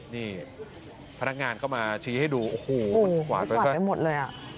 นี่พนักงานก็มาชี้ให้ดูโอ้โหมันสะกว่าไปหมดเลย